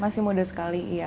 masih muda sekali iya